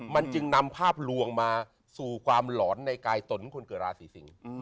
มันจึงนำภาพลวงมาสู่ความหลอนในกายตนคนเกิดราศีสิง